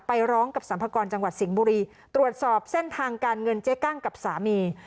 ร้องกับสรรพากรจังหวัดสิงห์บุรีตรวจสอบเส้นทางการเงินเจ๊กั้งกับสามี